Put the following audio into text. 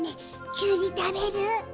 きゅうりたべる？